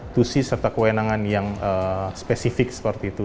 tusi serta kewenangan yang spesifik seperti itu